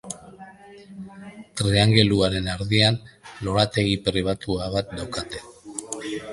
Triangeluaren erdian, lorategi pribatua bat daukate.